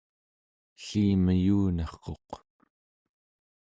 ellimeyunarquq